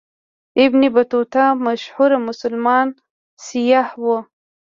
ابن بطوطه مشهور مسلمان سیاح و.